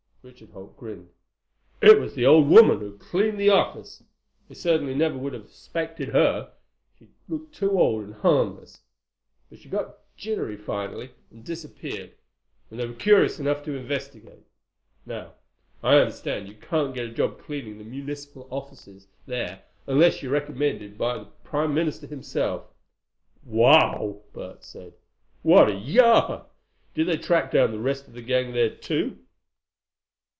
Richard Holt grinned. "It was the old woman who cleaned the office. They certainly never would have suspected her—she looked too old and harmless. But she got jittery finally, and disappeared. And they were curious enough to investigate. Now, I understand, you can't get a job cleaning the municipal offices there unless you're recommended by the prime minister himself." "Wow!" Bert said. "What a yarn! Did they track down the rest of the gang then too?"